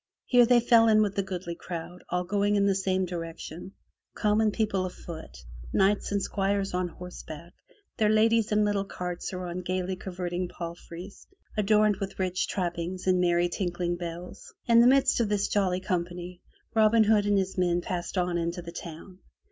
Here they fell in with a goodly crowd, all going in the same direction, common people afoot, knights and squires on horseback, their ladies in little carts or on gaily curvetting palfries adorned with rich trappings and merry tinkling bells. In the midst of this jolly company, Robin Hood and his men passed on into the town.